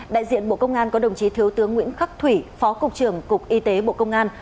đại diện bộ công an có đồng chí thiếu tướng nguyễn khắc thủy phó cục trưởng cục y tế bộ công an